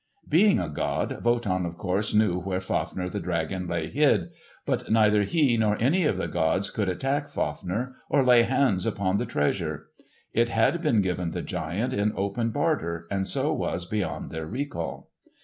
Being a god, Wotan of course knew where Fafner the dragon lay hid. But neither he nor any of the gods could attack Fafner or lay hands upon the treasure. It had been given the giant in open barter and so was beyond their recall.